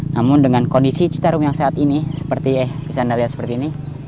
namun dengan kondisi citarum yang saat ini seperti bisa anda lihat seperti ini